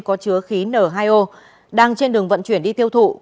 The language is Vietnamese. có chứa khí n hai o đang trên đường vận chuyển đi tiêu thụ